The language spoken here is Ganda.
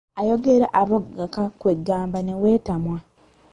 Ayogera aboggoka kwe ggamba ne weetamwa.